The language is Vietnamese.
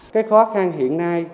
cái khó khăn hiện nay